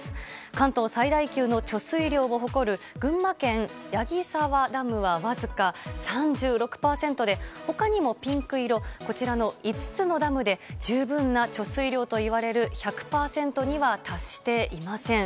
関東最大級の貯水量を誇る群馬県矢木沢ダムはわずか３６％で、他にもピンク色こちらの５つのダムで十分な貯水量といわれる１００％には達していません。